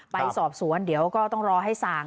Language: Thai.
ไปสอบสวนเดี๋ยวก็ต้องรอให้สั่ง